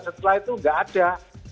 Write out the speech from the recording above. setelah itu nggak ada